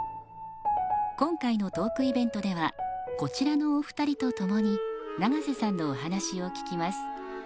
今回のトークイベントではこちらのお二人と共に永瀬さんのお話を聞きます。